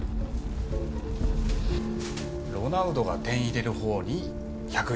ロナウドが点入れるほうに１００円。